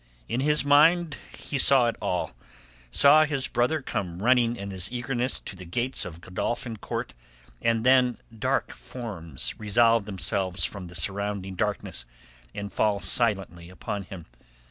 In his mind he saw it all—saw his brother come running in his eagerness to the gates of Godolphin Court, and then dark forms resolve themselves from the surrounding darkness and fall silently upon him.